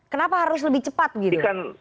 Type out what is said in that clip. kenapa harus lebih cepat gitu kan